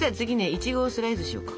イチゴをスライスしようか。